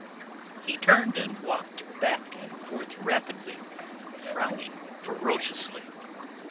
He turned and walked back and forth rapidly; frowning ferociously.